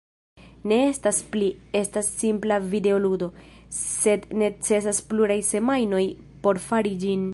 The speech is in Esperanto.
Ne estas pli, estas simpla videoludo, sed necesas pluraj semajnoj por fari ĝin.